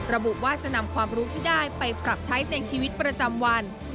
ระบุว่าจะนำความรู้ที่ได้ไปปรับใช้ในชีวิตประจำวัน